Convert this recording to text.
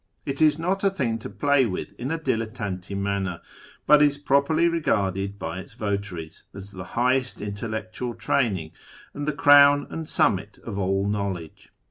It is not a thing to play with in a dilettante manner, but is properly regarded by its votaries as the highest intellectual training, and the crown and summit of all know ledge.